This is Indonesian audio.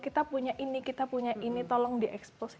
kita punya ini kita punya ini tolong di eksklusif